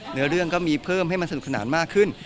เรื่องก็มีเพิ่มให้มันสนุกสนานมากขึ้น